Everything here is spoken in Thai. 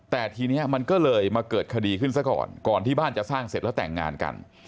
แต่ทีนี้มันก็เลยมาเกิดคดีขึ้นซะก่อนก่อนที่บ้านจะสร้างเสร็จแล้วแต่งงานกัน